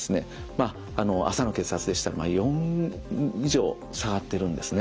朝の血圧でしたら４以上下がってるんですね。